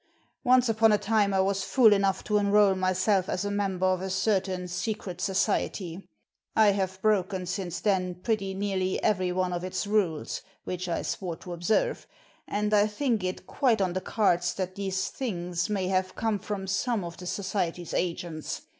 "Once upon a time I was fool enough to enrol myself as a member of a certain secret society. I have broken since then pretty nearly every one of its rules, which I swore to observe, and I think it quite on the cards that these things may have come from some of the society's agents.